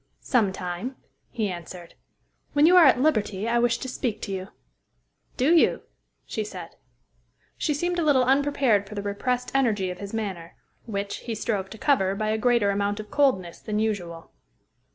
"Some time," he answered. "When you are at liberty, I wish to speak to you." "Do you?" she said. She seemed a little unprepared for the repressed energy of his manner, which, he strove to cover by a greater amount of coldness than usual.